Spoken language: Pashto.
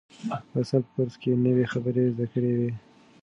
فیصل په کورس کې نوې خبرې زده کړې وې.